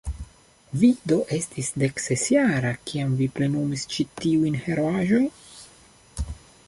Vi do estis deksesjara, kiam vi plenumis ĉi tiujn heroaĵojn?